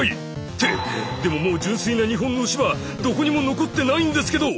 ってでももう純粋な日本の牛はどこにも残ってないんですけど！